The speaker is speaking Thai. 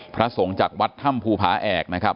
พระสงฆ์จากวัดถ้ำภูผาแอกนะครับ